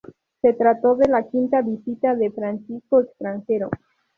Se trató de la quinta visita de Francisco extranjero.